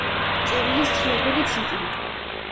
მწერლის ცნობილი ციკლი.